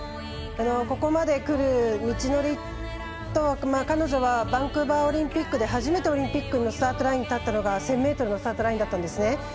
ここまでくる道のりと彼女はバンクーバーオリンピックで初めてオリンピックのスタートラインに立ったのが１０００ｍのスタートラインだったんですね。